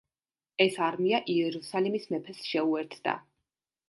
ეს არმია იერუსალიმის მეფეს შეუერთდა.